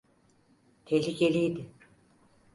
Tehlikeliydi.